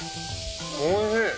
おいしい。